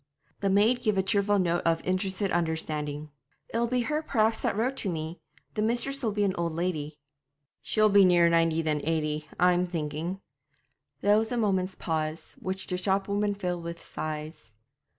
The maid gave a cheerful note of interested understanding. 'It'll be her perhaps that wrote to me; the mistress'll be an old lady.' 'She'll be nearer ninety than eighty, I'm thinking.' There was a moment's pause, which the shop woman filled with sighs.